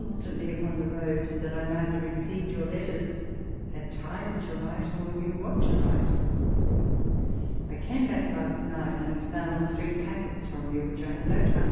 stantly upon the road, that I neither received your letters, had time to write, or knew what to write. I came back last night, and found three packets from you, which I have no time 32 walpole's letters.